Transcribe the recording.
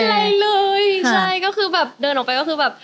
ไม่มีอะไรเลยใช่ก็คือแบบเดินออกไปก็คือแบบ